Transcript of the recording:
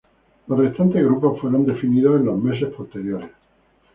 Los restantes grupos fueron definidos en los meses posteriores.